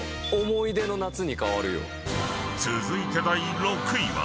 ［続いて第６位は］